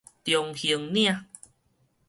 中興嶺